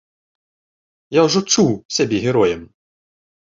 Я ўжо чуў сябе героем!